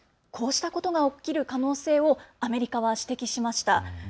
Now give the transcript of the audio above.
こうしたことが起きる可能性をアメリカは指摘しました。